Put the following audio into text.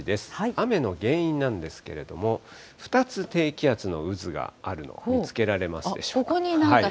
雨の原因なんですけれども、２つ低気圧の渦があるの見つけられますでしょうか。